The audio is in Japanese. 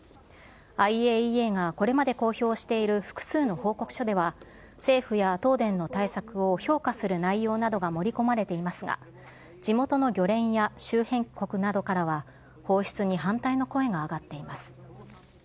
ＩＡＥＡがこれまで公表している複数の報告書では、政府や東電の対策を評価する内容などが盛り込まれていますが、地元の漁連や周辺国などからは放出に反対の声が上がっています。